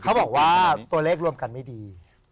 เขาบอกว่าตัวเลขรวมกันไม่ดี